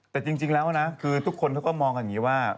แต่จริงแล้วนะคือทุกคนเขาก็มองกันอย่างนี้ว่า